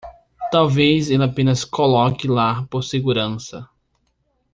Talvez ele apenas coloque lá por segurança.